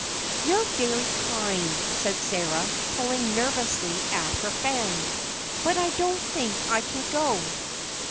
"You're very kind," said Sarah, pulling nervously at her fan, "but I don't think I can go."